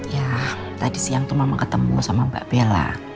ya tadi siang tuh mama ketemu sama mbak bella